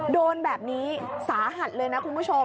โดนแบบนี้สาหัสเลยนะคุณผู้ชม